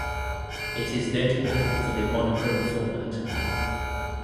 It is notable for the monochrome format.